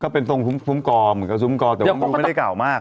เป็นทรงคุ้มกอเหมือนกับซุ้มกอแต่ว่าไม่ได้เก่ามาก